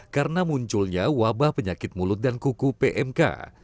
karena munculnya wabah penyakit mulut dan kuku pmk